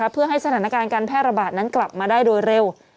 เพื่อให้สถานการณ์การแพร่ระบาดนั้นกลับมาได้โดยเร็ว